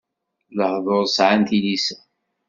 Lehduṛ sɛan tilisa.